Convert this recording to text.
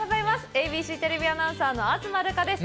ＡＢＣテレビアナウンサーの東留伽です